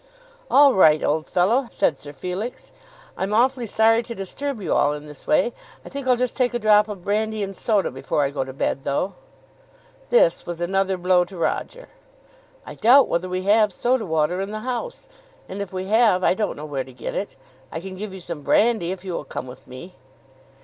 "All right, old fellow," said Sir Felix. "I'm awfully sorry to disturb you all in this way. I think I'll just take a drop of brandy and soda before I go to bed, though." This was another blow to Roger. "I doubt whether we have soda water in the house, and if we have, I don't know where to get it. I can give you some brandy if you will come with me."